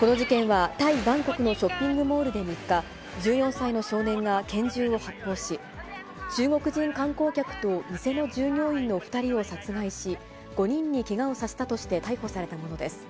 この事件は、タイ・バンコクのショッピングモールで３日、１４歳の少年が拳銃を発砲し、中国人観光客と店の従業員の２人を殺害し、５人にけがをさせたとして逮捕されたものです。